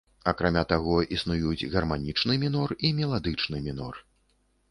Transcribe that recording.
Акрамя таго, існуюць гарманічны мінор і меладычны мінор.